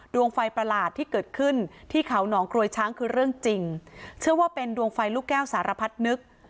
ดวงไฟประหลาดที่เกิดขึ้นที่เขาหนองกรวยช้างคือเรื่องจริงเชื่อว่าเป็นดวงไฟลูกแก้วสารพัดนึก